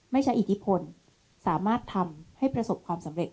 ใช้อิทธิพลสามารถทำให้ประสบความสำเร็จ